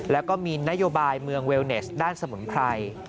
แล้วก็มีนโยบายเมืองเวลเนสด้านสมุนไพร